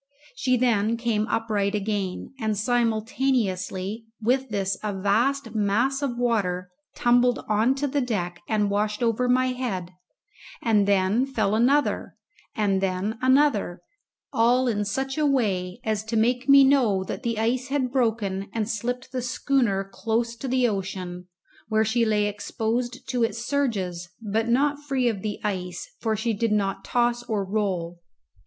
She then came upright again, and simultaneously with this a vast mass of water tumbled on to the deck and washed over my head, and then fell another and then another, all in such a way as to make me know that the ice had broken and slipped the schooner close to the ocean, where she lay exposed to its surges, but not free of the ice, for she did not toss or roll.